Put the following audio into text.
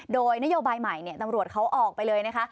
โดยนโยบายใหม่ตำรวจเขาออกไปเลยนะคะ